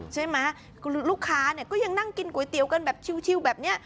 ใช่ไหมลูกค้าเนี่ยก็ยังนั่งกินก๋วยเตี๋ยวกันแบบชิวแบบนี้